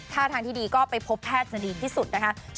ท่าทางที่ดีก็ไปพบแพทย์จะดีที่สุดนะคะ